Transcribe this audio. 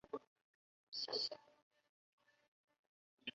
革命工人党是土耳其的一个托洛茨基主义政党。